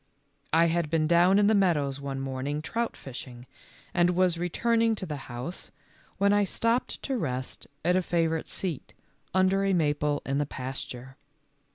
I had been down in the meadows one morn ing trout fishing, and was returning to the house, when I stopped to rest at a favorite seat under a maple in the pasture.